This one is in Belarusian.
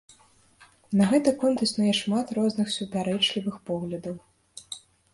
На гэты конт існуе шмат розных супярэчлівых поглядаў.